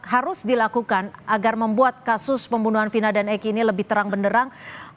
harus dilakukan agar membuat kasus pembunuhan vina dan eki ini lebih terang benderang